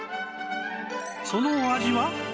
そのお味は？